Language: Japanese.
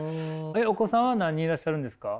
お子さんは何人いらっしゃるんですか？